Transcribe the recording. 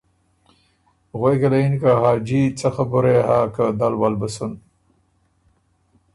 غوېکه له یِن که ”حاجی څۀ خبُره يې هۀ که دل ول بُو سُن۔